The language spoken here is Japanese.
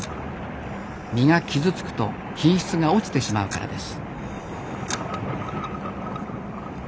身が傷つくと品質が落ちてしまうからです。